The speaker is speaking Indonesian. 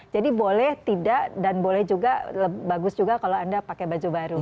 jadi boleh tidak dan boleh juga bagus juga kalau anda pakai baju baru